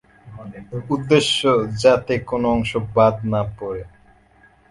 উদ্দেশ্য, যাতে কোনো অংশ বাদ না পড়ে।